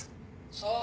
そう。